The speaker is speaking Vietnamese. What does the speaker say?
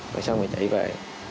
rồi xong rồi chị về